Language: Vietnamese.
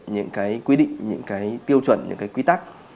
những quy định những tiêu chuẩn những quy tắc